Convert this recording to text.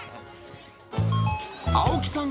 青木さん